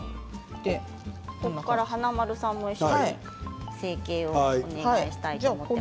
ここから華丸さんも一緒に成形をお願いしたいと思います。